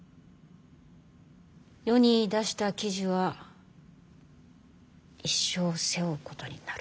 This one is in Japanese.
世に出した記事は一生背負うことになる。